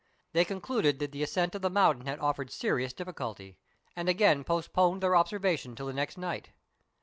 They con cluded that the ascent of the mountain had offered serious difficulty, and again postponed their observations till the next night.